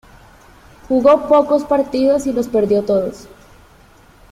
Jugó pocos partidos y los perdió todos.